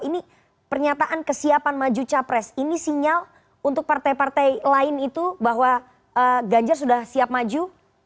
ini pernyataan kesiapan maju capres ini sinyal untuk partai partai lain itu bahwa ganjar sudah siap maju